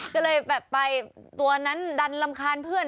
ก็เลยแบบไปตัวนั้นดันรำคาญเพื่อน